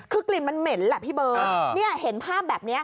คือกลิ่นมันเหม็นแหละพี่เบิร์ตเห็นภาพแบบนี้